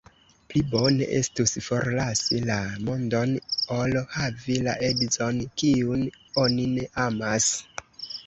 Pli bone estus forlasi la mondon, ol havi la edzon, kiun oni ne amas.